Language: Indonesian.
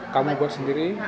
kamu buat sendiri